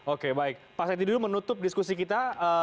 oke baik pak seti dulu menutup diskusi kita